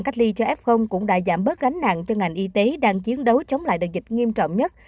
tuy nhiên thời gian cách ly cho f cũng đã giảm bớt gánh nặng cho ngành y tế đang chiến đấu chống lại đợt dịch nghiêm trọng nhất